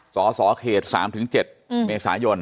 สสเขต๓๗เมษายน